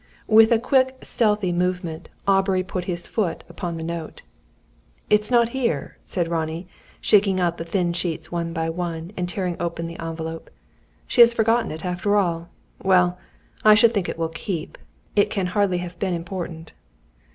With a quick stealthy movement, Aubrey put his foot upon the note. "It is not here," said Ronnie, shaking out the thin sheets one by one, and tearing open the envelope. "She has forgotten it, after all. Well I should think it will keep. It can hardly have been important."